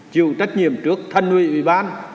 chịu trách nhiệm trước thân nguyện ủy ban